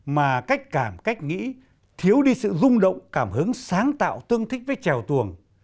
mà cách cảm cách nghĩ thiếu đi sự rung động cảm hứng sáng tạo tương thích với trèo tuồng